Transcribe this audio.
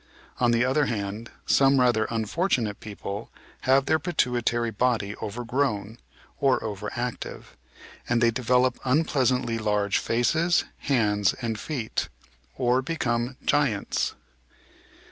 On the other hand, some rather unfortunate people have their pituitary body overgrown, or over active, and they develop unpleasantly large faces, hands, and feet, or become "giants."